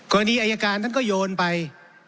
อายการท่านก็โยนไป